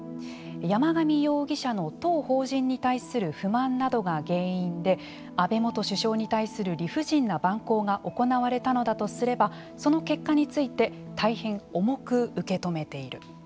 山上容疑者の当法人に対する不満などが原因で安倍元首相に対する理不尽な蛮行が行われたのだとすればその結果について大変重く受け止めている。